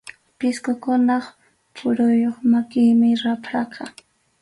Pisqukunap phuruyuq makinmi rapraqa.